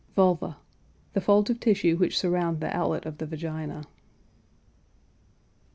VULVA. The folds of tissue which surround the outlet of the vagina.